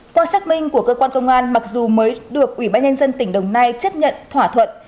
qua xác minh của cơ quan công an mặc dù mới được ủy ban nhân dân tỉnh đồng nai chấp nhận thỏa thuận